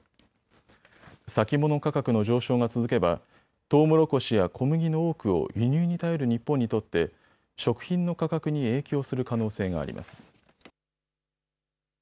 先物価格の上昇が続けばトウモロコシや小麦の多くを輸入に頼る日本にとって食品の価格に影響する可能性があります。